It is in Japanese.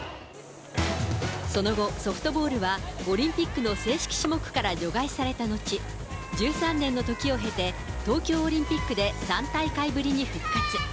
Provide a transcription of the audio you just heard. その後、ソフトボールはオリンピックの正式種目から除外された後、１３年の時を経て、東京オリンピックで３大会ぶりに復活。